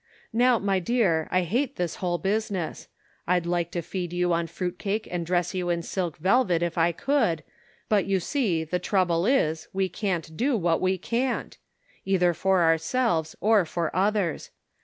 Now my dear, I hate this whole business; I'd like to feed you on fruit cake and dress you in silk velvet if I could, but you see the trouble is we can't do what we can't ; either for ourselves, or for others.